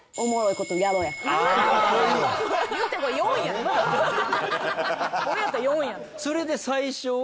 これやったら４や。